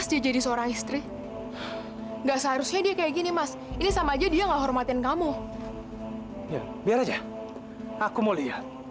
sampai jumpa di video selanjutnya